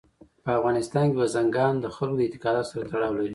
په افغانستان کې بزګان د خلکو د اعتقاداتو سره تړاو لري.